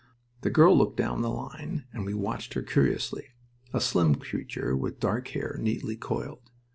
The girl looked down the line, and we watched her curiously a slim creature with dark hair neatly coiled.